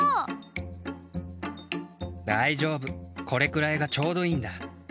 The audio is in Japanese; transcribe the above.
これくらいがちょうどいいんだ。